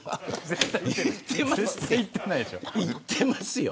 いってますよ。